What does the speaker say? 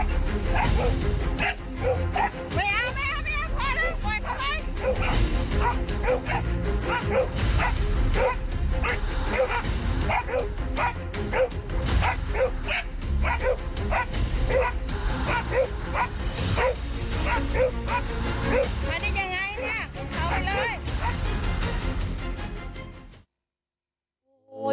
อันนี้อย่างไรนี่เข้าไปเลย